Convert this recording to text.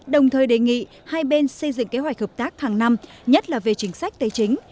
đồng thời đề nghị hai bên xây dựng kế hoạch hợp tác hàng năm nhất là về chính sách tài chính